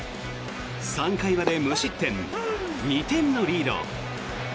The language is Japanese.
３回まで無失点２点のリード。